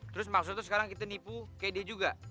terus maksudnya sekarang kita nipu kayak dia juga